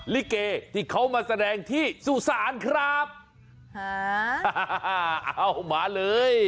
ลิเกที่เขามาแสดงที่สุสานครับหาอ่าเอามาเลย